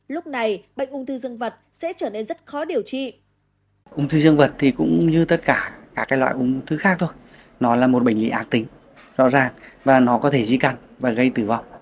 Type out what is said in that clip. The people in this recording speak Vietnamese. lúc này bệnh ung thư dương vật sẽ trở nên rất khó điều trị